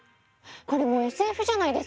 これもうＳＦじゃないですか！